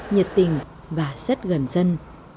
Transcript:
nhiệt tình và rất gần dân